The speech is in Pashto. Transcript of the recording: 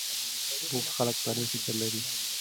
بوخت خلک سالم فکر لري.